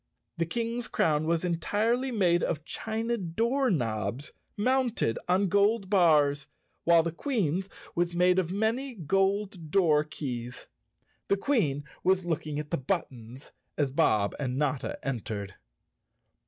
The King's crown was entirely made of china door knobs, mounted on gold bars, while the Queen's was made of many gold door keys. The Queen was looking at the buttons as Bob and Notta entered.